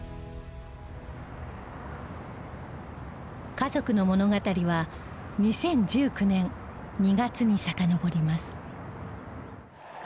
家族の物語は２０１９年２月にさかのぼります。